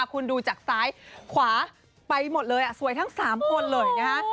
คุณดูจากซ้ายขวาไปหมดเลยสวยทั้ง๓คนเลยนะฮะ